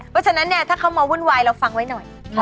เพราะฉะนั้นเนี่ยถ้าเขามาวุ่นวายเราฟังไว้หน่อย